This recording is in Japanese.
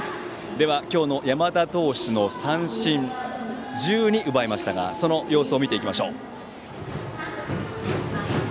今日の山田投手の三振１２奪いましたがその様子を見ていきましょう。